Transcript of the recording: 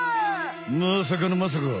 まさかのまさか。